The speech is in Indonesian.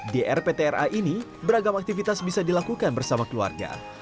di rptra ini beragam aktivitas bisa dilakukan bersama keluarga